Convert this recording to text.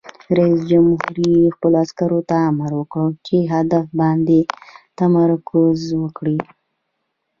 رئیس جمهور خپلو عسکرو ته امر وکړ؛ پر هدف باندې تمرکز وکړئ!